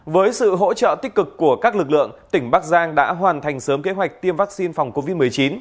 với sự hỗ trợ tích cực của các lực lượng tỉnh bắc giang đã hoàn thành sớm kế hoạch tiêm vaccine phòng covid một mươi chín